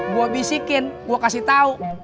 gue bisikin gue kasih tau